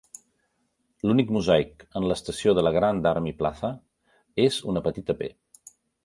L'únic mosaic en l'estació de la Grand Army Plaza és una petita "P".